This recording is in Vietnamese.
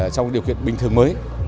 trong điều kiện bình thường mới